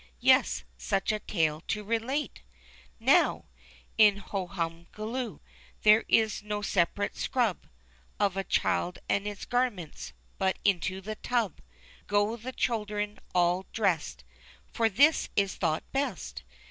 Yes, such a tale to relate ? Now ! In Hohumgoloo there's no separate scrub Of a child and its garments, but, into the tub, Go the children all drest. For this is thought best.